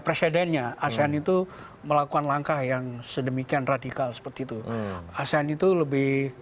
presidennya asean itu melakukan langkah yang sedemikian radikal seperti itu asean itu lebih